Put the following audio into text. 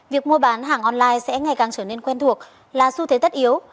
việc mua bán hàng online sẽ ngày càng trở nên quen thuộc là xu thế tất yếu